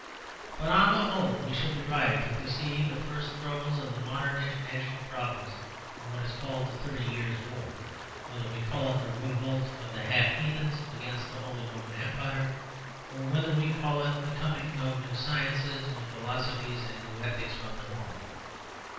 But on the whole we shall be right if we see the first throes of the modern international problems in what is called the Thirty Years' War; whether we call it the revolt of half heathens against the Holy Roman Empire, or whether we call it the coming of new sciences, new philosophies, and new ethics from the north.